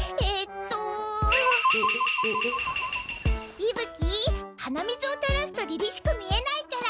いぶ鬼はなみずをたらすとりりしく見えないから！